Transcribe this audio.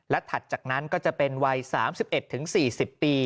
ถัดจากนั้นก็จะเป็นวัย๓๑๔๐ปี